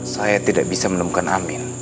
saya tidak bisa menemukan amin